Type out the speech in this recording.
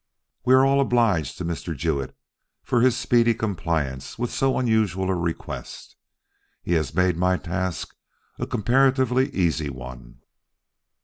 "We are all obliged to Mr. Jewett for his speedy compliance with so unusual a request. He has made my task a comparatively easy one."